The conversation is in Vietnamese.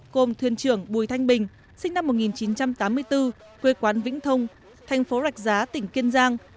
gồm thuyền trưởng bùi thanh bình sinh năm một nghìn chín trăm tám mươi bốn quê quán vĩnh thông thành phố rạch giá tỉnh kiên giang